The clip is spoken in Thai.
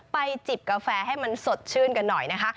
จิบกาแฟให้มันสดชื่นกันหน่อยนะคะ